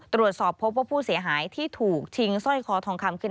ตรวจสอบพบว่าผู้เสียหายที่ถูกชิงสร้อยคอทองคำคือ